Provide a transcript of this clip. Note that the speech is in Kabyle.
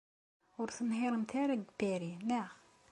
Ur tenhiṛemt ara deg Paris, naɣ?